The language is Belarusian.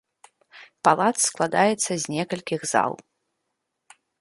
Палац складаецца з некалькіх зал.